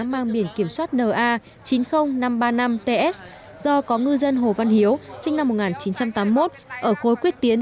mang biển kiểm soát na chín mươi nghìn năm trăm ba mươi năm ts do có ngư dân hồ văn hiếu sinh năm một nghìn chín trăm tám mươi một ở khối quyết tiến